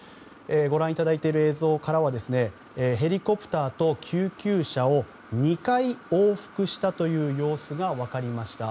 ご覧いただいている映像からはヘリコプターと救急車を２回往復したという様子が分かりました。